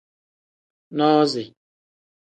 Nozi.